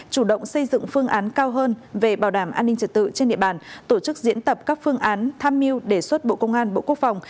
chủ động xây dựng phương án cao hơn về bảo đảm an ninh trật tự trên địa bàn tổ chức diễn tập các phương án tham mưu đề xuất bộ công an bộ quốc phòng